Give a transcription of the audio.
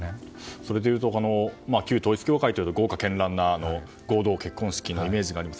それでいうと旧統一教会というと豪華絢爛な合同結婚式のイメージがあります。